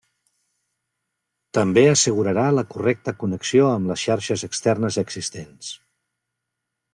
També assegurarà la correcta connexió amb les xarxes externes existents.